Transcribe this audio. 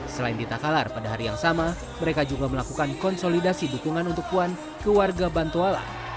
selain di takalar pada hari yang sama mereka juga melakukan konsolidasi dukungan untuk puan ke warga bantuala